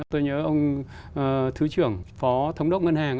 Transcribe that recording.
tôi nhớ ông thứ trưởng phó thống đốc ngân hàng